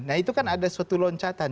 nah itu kan ada suatu loncatan